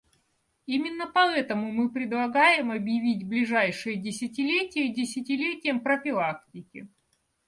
Именно поэтому мы предлагаем, объявить ближайшее десятилетие десятилетием профилактики.